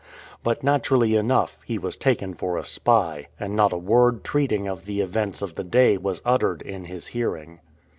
But, naturally enough, he was taken for a spy, and not a word treating of the events of the day was uttered in his hearing.